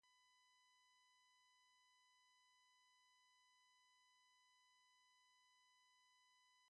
An arcane focus is designed to channel the power of arcane spells.